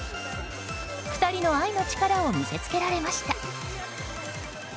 ２人の愛の力を見せつけられました。